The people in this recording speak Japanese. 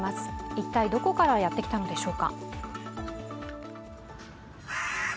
一体どこからやってきたのでしょうか。